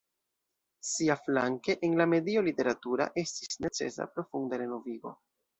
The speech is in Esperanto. Siaflanke, en la medio literatura estis necesa profunda renovigo.